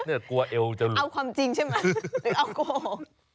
เอาความจริงใช่ไหม